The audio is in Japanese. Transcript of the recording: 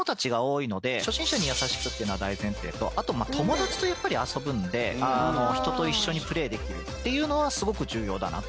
初心者には優しくっていうのは大前提とあと友達と遊ぶので人と一緒にプレイできるっていうのはすごく重要だなと。